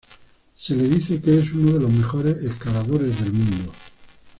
Se le dice que es uno de los mejores escaladores del mundo.